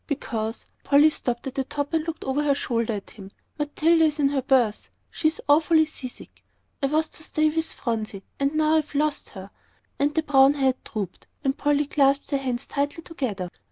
"Because" Polly stopped at the top and looked over her shoulder at him "Matilda's in her berth. She's awfully seasick. I was to stay with Phronsie, and now I've lost her!" And the brown head drooped, and Polly clasped her hands tightly together.